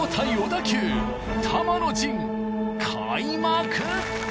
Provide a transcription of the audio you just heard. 開幕！